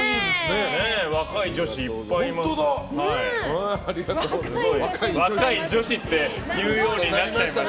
若い女子いっぱいいます。